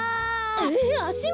えあしも！？